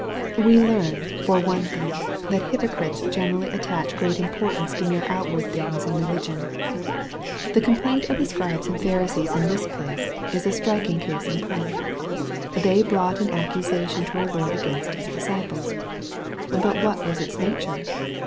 We learn, for one thing, that hypocrites generally at^ tach great importance to mere outward things in religion. The complaint of the Scribes and Pharisees in this place, is a striking case in point. They brought an accusation to our Lord against His disciples. Bat what was its nature